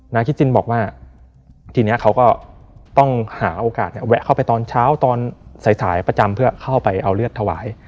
คิดจินบอกว่าทีนี้เขาก็ต้องหาโอกาสแวะเข้าไปตอนเช้าตอนสายประจำเพื่อเข้าไปเอาเลือดถวาย